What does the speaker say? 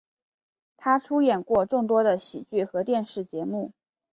他出演过众多的喜剧和电视节目。